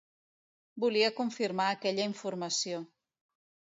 Volia confirmar aquella informació.